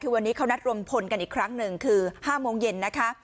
คือวันนี้เขานัดรวมพลกันอีกครั้งหนึ่งคือ๕โมงเย็นนะคะ